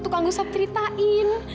tukang gusap ceritain